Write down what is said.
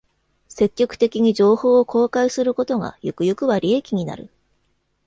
積極的に情報を公開することが、ゆくゆくは利益になる